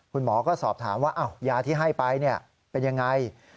คุณหมอก็สอบถามว่ายาที่ให้ไปเป็นยังไง